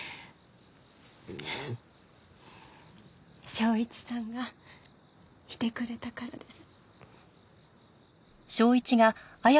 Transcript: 昇一さんがいてくれたからです。